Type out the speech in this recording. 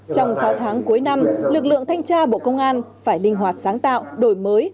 trong sáu tháng cuối năm lực lượng thanh tra bộ công an phải linh hoạt sáng tạo đổi mới